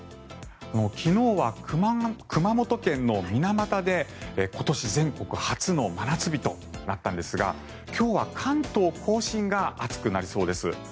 昨日は熊本県の水俣で今年、全国初の真夏日となったんですが今日は関東・甲信が暑くなりそうです。